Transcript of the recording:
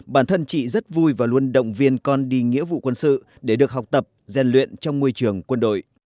bản thân chị rất vui và luôn động viên con đi nghĩa vụ quân sự để được học tập gian luyện trong môi trường quân đội